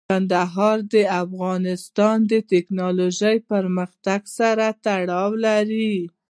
کندهار د افغانستان د تکنالوژۍ پرمختګ سره تړاو لري.